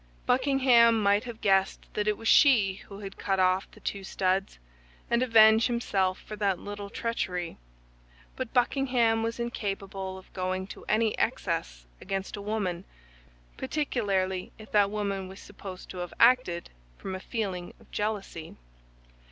Buckingham might have guessed that it was she who had cut off the two studs, and avenge himself for that little treachery; but Buckingham was incapable of going to any excess against a woman, particularly if that woman was supposed to have acted from a feeling of jealousy.